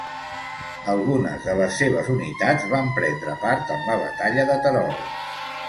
Algunes de les seves unitats van prendre part en la batalla de Terol.